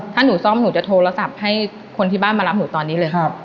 ถ้าหนูซ่อมหนูจะโทรศัพท์ให้คนที่บ้านมารับหนูตอนนี้เลย